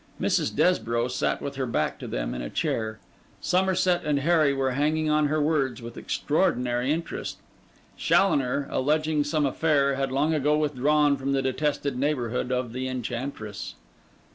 Mrs. Desborough sat with her back to them on a chair; Somerset and Harry were hanging on her words with extraordinary interest; Challoner, alleging some affair, had long ago withdrawn from the detested neighbourhood of the enchantress.